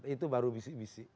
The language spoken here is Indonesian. itu baru bisik bisik